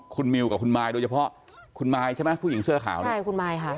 คุณมิวกับคุณมายโดยเฉพาะคุณมายใช่ไหมผู้หญิงเสื้อขาวเนี่ยใช่คุณมายค่ะ